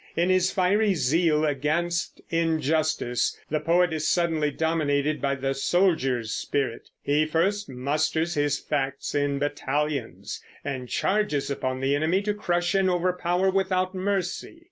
In his fiery zeal against injustice the poet is suddenly dominated by the soldier's spirit. He first musters his facts in battalions, and charges upon the enemy to crush and overpower without mercy.